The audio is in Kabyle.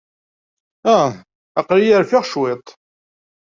Ah, aql-iyi rfiɣ cwiṭ!